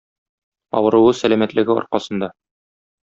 Авыруы, сәламәтлеге аркасында.